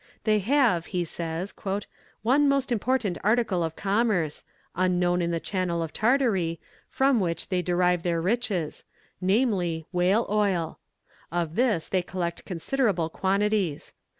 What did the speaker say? "They have," he says, "one most important article of commerce unknown in the channel of Tartary from which they derive their riches, namely, whale oil. Of this they collect considerable quantities.